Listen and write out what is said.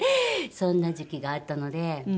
そんな時期があったのでうん。